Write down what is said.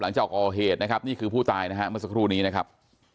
หลังจากก่อเหตุนะครับนี่คือผู้ตายนะฮะเมื่อสักครู่นี้นะครับ